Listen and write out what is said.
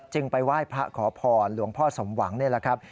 ไปไหว้พระขอพรหลวงพ่อสมหวังนี่แหละครับ